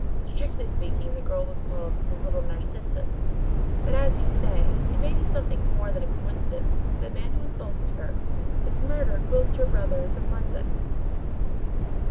Strictly speaking the girl was called 'The Little Narcissus,' but as you say, it may be something more than a coincidence that the man who insulted her, is murdered whilst her brother is in London."